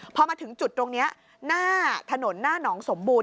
พอมาถึงจุดตรงนี้หน้าถนนหน้าหนองสมบูรณ